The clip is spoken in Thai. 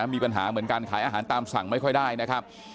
มีปัญหาเหมือนกันขายอาหารตามสั่งไม่ค่อยได้นะครับ